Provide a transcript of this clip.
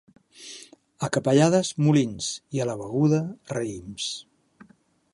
A Capellades, molins, i a la Beguda, raïms.